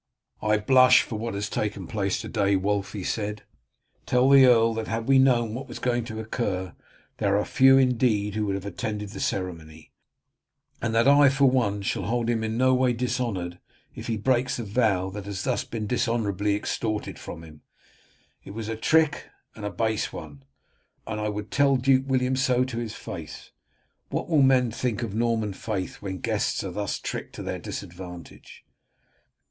"I blush for what has taken place to day, Wulf," he said. "Tell the earl that had we known what was going to occur there are few indeed who would have attended at the ceremony, and that I for one shall hold him in no way dishonoured if he breaks the vow that has thus been dishonourably extorted from him. It was a trick and a base one, and I would tell Duke William so to his face. What will men think of Norman faith when guests are thus tricked to their disadvantage?"